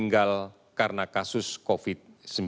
ini adalah kasus meninggal karena kasus covid sembilan belas